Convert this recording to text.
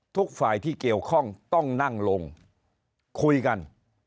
ทุกฝ่ายที่เกี่ยวข้องต้องนั่งลงคุยกัน